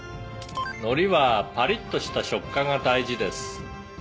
「海苔はパリッとした食感が大事です」